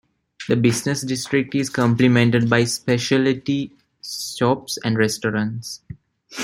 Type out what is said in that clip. The business district is complemented by specialty shops and restaurants.